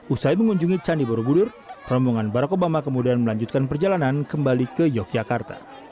usai mengunjungi candi borobudur rombongan barack obama kemudian melanjutkan perjalanan kembali ke yogyakarta